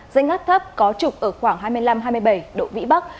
dây ngắt thấp có trục ở khoảng hai mươi năm hai mươi bảy độ vĩ bắc